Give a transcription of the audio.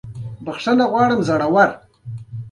هلته له سرکښو خلکو سره سلوک بدلون موندلی دی.